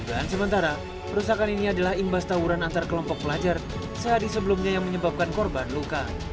dan sementara perusahaan ini adalah imbas tawuran antar kelompok pelajar sehari sebelumnya yang menyebabkan korban luka